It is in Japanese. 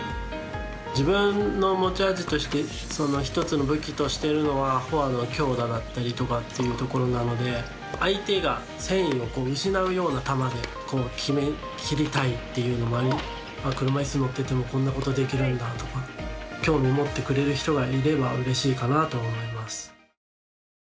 自分の持ち味として一つの武器としてるのはフォアの強打だったりとかっていうところなので相手が戦意を失うような球で決めきりたいっていうのもあり車いす乗っててもこんなことできるんだとか興味持ってくれる人がいればうれしいかなとは思います。